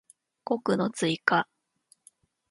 語句の追加